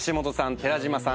寺島さん。